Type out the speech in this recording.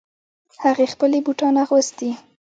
هغې خپلې بوټان اغوستې